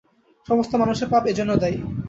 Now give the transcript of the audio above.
সমস্ত মানুষের পাপ এজন্য দায়ী।